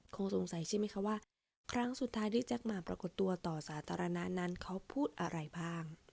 คงสงสัยใช่ไหมคะว่าครั้งสุดท้ายที่แจ๊คมาปรากฏตัวต่อสาธารณะนั้นเขาพูดอะไรบ้าง